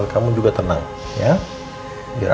udah kamu juga tenang gewa